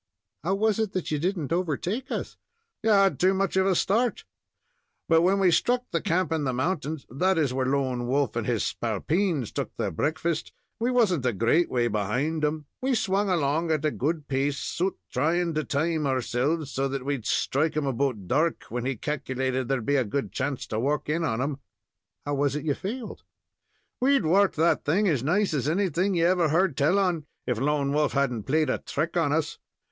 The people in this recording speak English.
"How was it that you didn't overtake us?" "You had too much of a start; but when we struck the camp in the mountains that is, where Lone Wolf and his spalpeens took their breakfast we wasn't a great way behind 'em. We swung along at a good pace, Soot trying to time ourselves so that we'd strike 'em 'bout dark, when he ca'c'lated there'd be a good chance to work in on 'em." "How was it you failed?' "We'd worked that thing as nice as anything you ever heard tell on, if Lone Wolf hadn't played a trick on us.